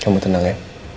kamu tenang ya